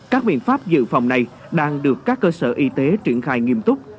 các biện pháp dự phòng này đang được các cơ sở y tế triển khai nghiêm túc